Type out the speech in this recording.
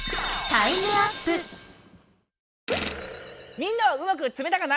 みんなはうまくつめたかな？